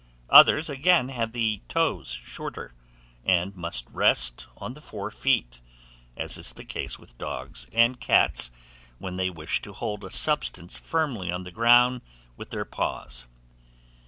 Others, again, have the toes shorter, and must rest on the fore feet, as is the case with dogs and cats when they wish to hold a substance firmly on the ground with their paws.